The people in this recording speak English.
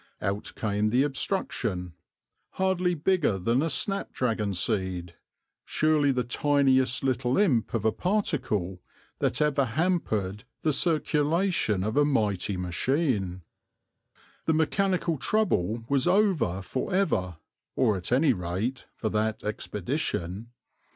Out came the obstruction, hardly bigger than a snapdragon seed, surely the tiniest little imp of a particle that ever hampered the circulation of a mighty machine. The mechanical trouble was over for ever, or at any rate for that expedition.